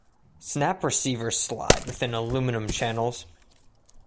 Snap receivers slide within aluminum channels.